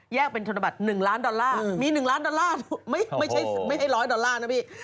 เป็นธนบัตร๑ล้านดอลลาร์มี๑ล้านดอลลาร์ไม่ใช่๑๐๐ดอลลาร์นะพี่